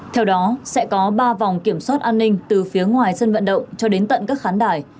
theo đó sẽ có ba vòng kiểm soát an ninh từ phía ngoài sân vận động cho đến tận các khán đài